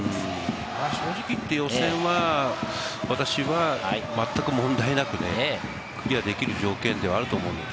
正直言って予選は私は、まったく問題なくクリアできる条件ではあると思います。